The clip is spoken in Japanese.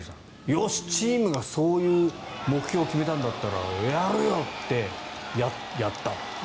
よし、チームがそういう目標を決めたんだったらやるよ！ってやった。